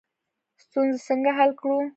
ستونزې څنګه حل کړو؟